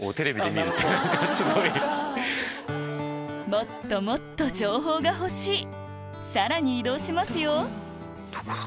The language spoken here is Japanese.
もっともっと情報が欲しいさらに移動しますよどこだ？